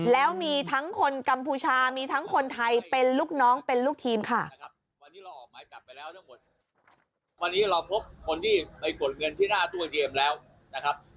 แล้วมีทั้งคนกัมพูชามีทั้งคนไทยเป็นลูกน้องเป็นลูกทีมค่ะ